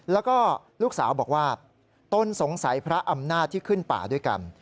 แล้วก็ลูกสาวบอกว่าตนสงสัยพระอำนาจที่ขึ้นป่าด้วยกัน